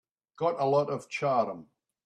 Got a lot of charm.